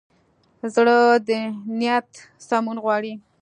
زړه د نیت سمون غواړي.